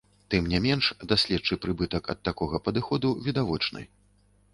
Тым не менш, даследчы прыбытак ад такога падыходу відавочны.